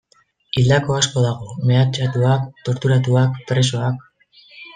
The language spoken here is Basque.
Hildako asko dago, mehatxatuak, torturatuak, presoak...